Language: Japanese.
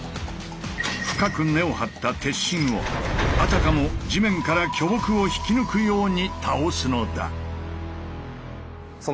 深く根を張った鉄心をあたかも地面から巨木を引き抜くように倒すのだ。